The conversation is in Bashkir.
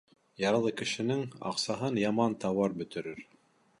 Ярлы кешенең аҡсаһын яман тауар бөтөрөр.